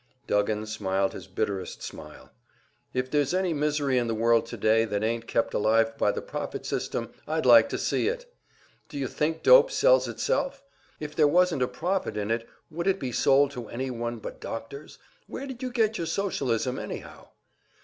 Duggan smiled his bitterest smile. "If there's any misery in the world today that ain't kept alive by the profit system, I'd like to see it! D'you think dope sells itself? If there wasn't a profit in it, would it be sold to any one but doctors? Where'd you get your Socialism, anyhow?"